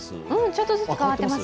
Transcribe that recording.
ちょっとずつ変わってます。